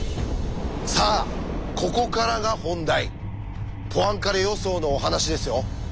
さあここからが本題ポアンカレ予想のお話ですよ。